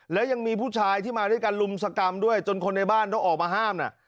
แล้วยังมีผู้ชายที่มาด้วยกันลุมสกรรมด้วยจนคนในบ้านต้องออกมาห้ามน่ะ